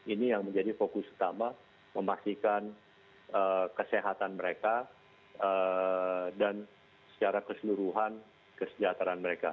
ini yang menjadi fokus utama memastikan kesehatan mereka dan secara keseluruhan kesejahteraan mereka